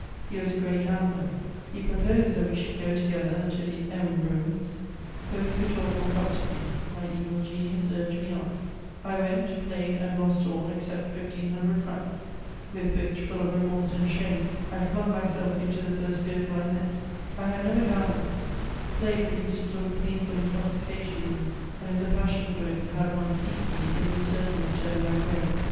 He was a great gambler : he proposed tl»t we should go together to the M Rooms, where we could talk more comfortably : my evil genius urged me on ; I went, played, and lost all except 1500 francs, with which, fuB of re morse and shame, I flung mys^ into the first v^]^e I met I had never gamUed ; p^y produced a sort of poinftd intoxica tion in me ; and if the passon for it had once sozed me, it would certainly have turned my brain.